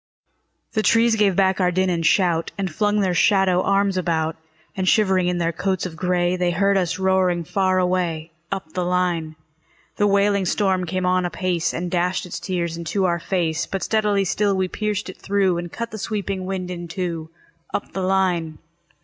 The trees gave back our din and shout, And flung their shadow arms about; And shivering in their coats of gray, They heard us roaring far away, Up the line. The wailing storm came on apace, And dashed its tears into our fade; But steadily still we pierced it through, And cut the sweeping wind in two, Up the line.